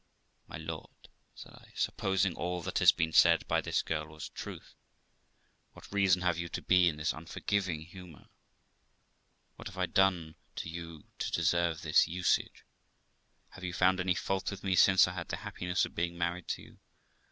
'My lord', said I, 'supposing all that has been said by this girl was truth, what reason have you to be in this unforgiving hunour? What have I done to you to deserve this usage? Have you found any fault with me since I had the happiness of being married to you?